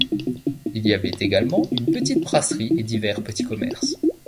Il y avait également une petite brasserie et divers petits commerces.